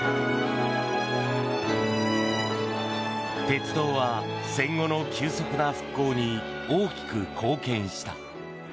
鉄道は戦後の急速な復興に大きく貢献した。